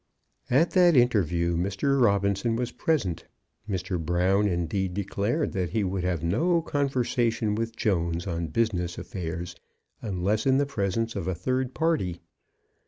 At that interview Mr. Robinson was present. Mr. Brown indeed declared that he would have no conversation with Jones on business affairs, unless in the presence of a third party.